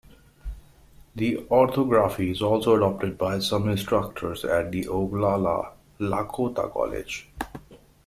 The orthography is also adopted by some instructors at the Oglala Lakota College.